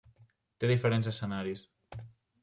Té diferents escenaris.